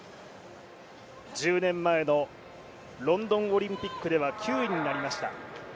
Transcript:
１０年前のロンドンオリンピックでは９位になりました。